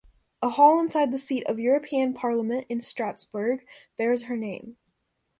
A hall inside the Seat of the European Parliament in Strasbourg bears her name.